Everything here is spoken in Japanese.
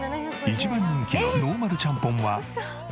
一番人気のノーマルちゃんぽんは６００円。